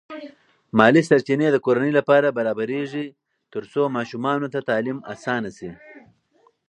مالی سرچینې د کورنۍ لپاره برابرېږي ترڅو ماشومانو ته تعلیم اسانه شي.